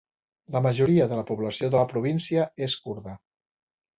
La majoria de la població de la província és kurda.